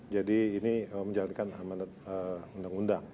jadi ini menjalankan amanat undang undang